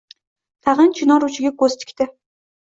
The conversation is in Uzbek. Tag‘in chinor uchiga ko‘z tikdi.